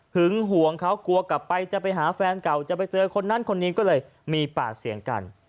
ห่วงเขากลัวกลับไปจะไปหาแฟนเก่าจะไปเจอคนนั้นคนนี้ก็เลยมีปากเสียงกัน